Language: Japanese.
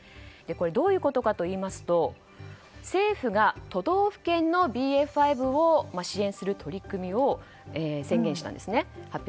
どういうことかといいますと政府が都道府県のＢＡ．５を支援する取り組みを宣言したんです。